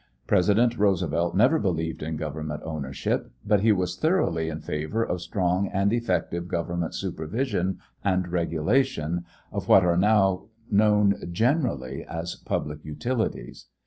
President Roosevelt never believed in Government ownership, but he was thoroughly in favor of strong and effective Government supervision and regulation of what are now known generally as public utilities.